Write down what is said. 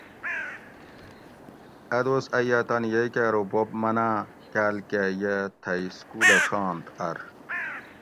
ا دوس ائی یاۤ تانی یئی کہ ارو بوب مناۤں کاۤل کہ یہ تھئی سکولہ ڛانت ار